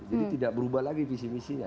jadi tidak berubah lagi visi misinya